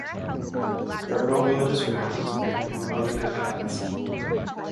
There are no villages or hamlets in the commune other than Arandas.